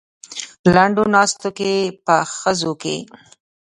لنډو ناست دی په خزو کې.